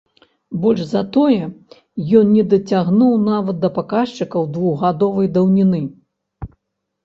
Больш за тое, ён не дацягнуў нават да паказчыкаў двухгадовай даўніны.